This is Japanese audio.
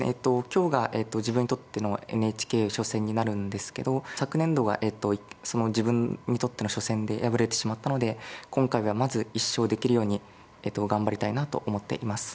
今日が自分にとってのＮＨＫ初戦になるんですけど昨年度がその自分にとっての初戦で敗れてしまったので今回はまず１勝できるように頑張りたいなと思っています。